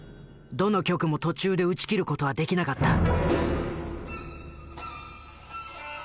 どの局も途中で打ち切る事はできなかった。